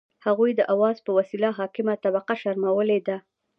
هغوی د اوازو په وسیله حاکمه طبقه شرمولي ده.